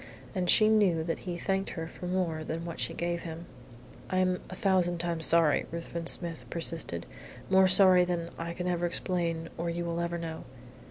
And she knew that he thanked her for more than what she gave him. "I am a thousand times sorry," Ruthven Smith persisted. "More sorry than I can ever explain, or you will ever know."